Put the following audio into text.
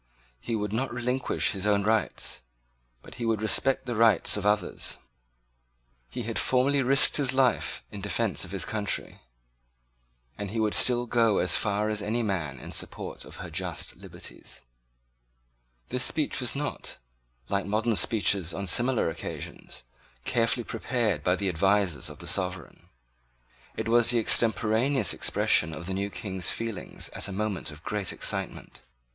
He would not relinquish his own rights; but he would respect the rights of others. He had formerly risked his life in defense of his country; and he would still go as far as any man in support of her just liberties. This speech was not, like modern speeches on similar occasions, carefully prepared by the advisers of the sovereign. It was the extemporaneous expression of the new King's feelings at a moment of great excitement.